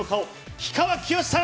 氷川きよしさん！